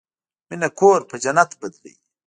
مینه کور په جنت بدلوي.